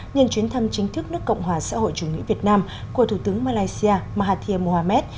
nhân chuyến thăm chính thức nước cộng hòa xã hội chủ nghĩa việt nam của thủ tướng malaysia mahathir mohamad